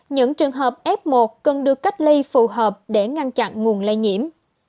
những trường hợp f một cần được cách ly phù hợp để ngăn chặn nguồn lây nhiễm